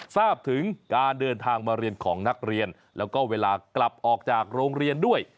ทราบถึงการเดินทางมาเรียนของนักเรียนแล้วก็เวลากลับออกจากโรงเรียนด้วย